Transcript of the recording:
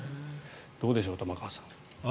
どうでしょう、玉川さん。